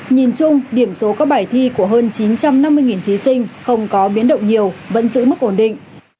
nhìn chung điểm số các bài thi của hơn chín trăm năm mươi thí sinh không có biến động nhiều vẫn giữ mức ổn định